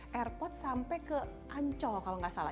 airport sampai ke ancol kalau nggak salah